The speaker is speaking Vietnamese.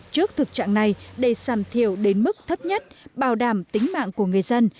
trước thực trạng này để giảm thiểu đến mức thấp nhất bảo đảm tính mạng của người dân